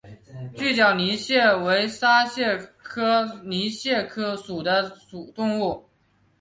锯脚泥蟹为沙蟹科泥蟹属的动物。